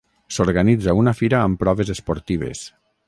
S’organitza una fira amb proves esportives.